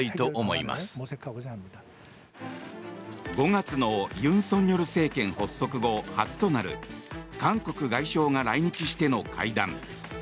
５月の尹錫悦政権発足後初となる韓国外相が来日しての会談。